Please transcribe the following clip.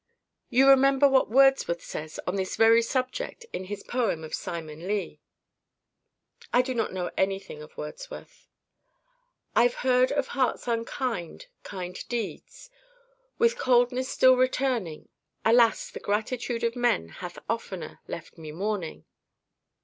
—You remember what Wordsworth says on this very subject in his poem of Simon Lee?"— "I do not know anything of Wordsworth." "'I've heard of hearts unkind, kind deeds With coldness still returning; Alas! the gratitude of men Hath oftener left me mourning.